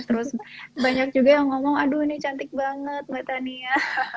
terus banyak juga yang ngomong aduh ini cantik banget mbak tania